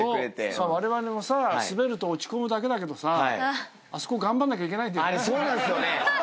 われわれもさスベると落ち込むだけだけどさあそこ頑張んなきゃいけないんだよね。